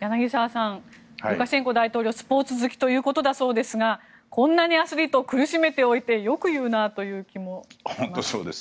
柳澤さん、ルカシェンコ大統領スポーツ好きということだそうですがこんなにアスリートを苦しめておいてよく言うなという気もします。